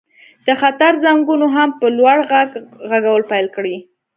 د خطر زنګونو هم په لوړ غږ غږول پیل کړل